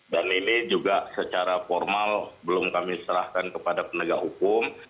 dan ini juga secara formal belum kami serahkan kepada penegak hukum